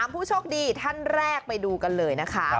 ผู้โชคดีท่านแรกไปดูกันเลยนะคะ